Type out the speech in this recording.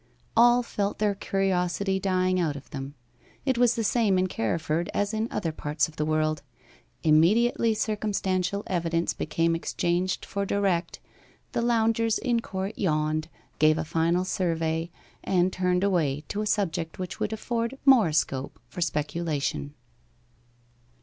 All felt their curiosity dying out of them. It was the same in Carriford as in other parts of the world immediately circumstantial evidence became exchanged for direct, the loungers in court yawned, gave a final survey, and turned away to a subject which would afford more scope for speculation.